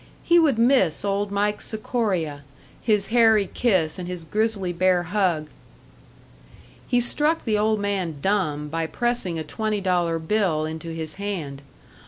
He would miss Old Mike Sikoria, his hairy kiss and his grizzly bear hug! He struck the old man dumb by pressing a twenty dollar bill into his hand.